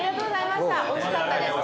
おいしかったです。